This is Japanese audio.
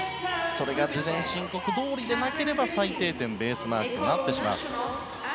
それが事前申告どおりでなければ最低点、ベースマークとなってしまう。